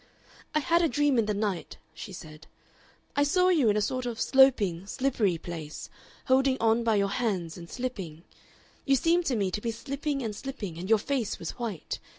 "I had a dream in the night," she said. "I saw you in a sort of sloping, slippery place, holding on by your hands and slipping. You seemed to me to be slipping and slipping, and your face was white.